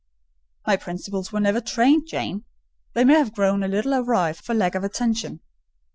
"My principles were never trained, Jane: they may have grown a little awry for want of attention."